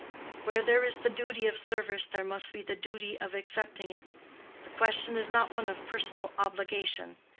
"Where there is the duty of service there must be the duty of accepting it. The question is not one of personal obligation.